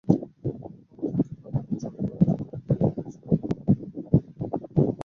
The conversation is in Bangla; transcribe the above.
একদিন বাগানে চড়িভাতি করতে গিয়েছিলুম।